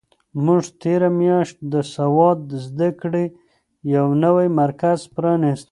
موږ تېره میاشت د سواد زده کړې یو نوی مرکز پرانیست.